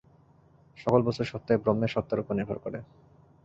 সকল বস্তুর সত্তাই ব্রহ্মের সত্তার উপর নির্ভর করে।